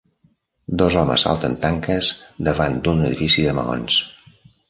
Dos homes salten tanques davant d'un edifici de maons.